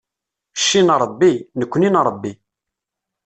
Cci n Ṛebbi, nekni n Ṛebbi.